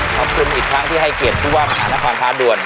ขอบคุณอีกครั้งที่ให้เกียรติว่าผู้ห่างคันท่านท่านด่วน